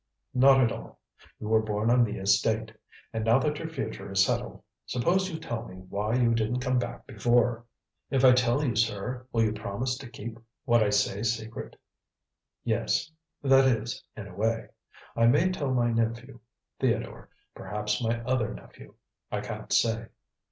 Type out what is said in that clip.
"Not at all. You were born on the estate. And now that your future is settled, suppose you tell me why you didn't come back before?" "If I tell you, sir, will you promise to keep what I say secret?" "Yes that is, in a way. I may tell my nephew Theodore, perhaps my other nephew I can't say."